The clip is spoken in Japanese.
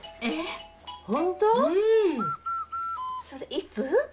それいつ？